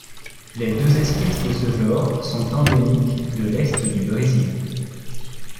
Les deux espèces de ce genre sont endémiques de l'Est du Brésil.